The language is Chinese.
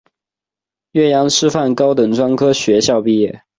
岳阳师范高等专科学校毕业。